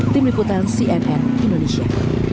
tim liputan cnn indonesia